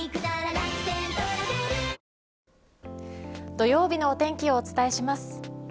土曜日のお天気をお伝えします。